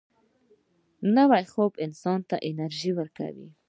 نوی خوب انسان ته انرژي ورکوي